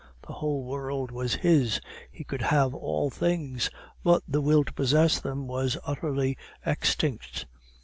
The whole world was his; he could have all things, but the will to possess them was utterly extinct.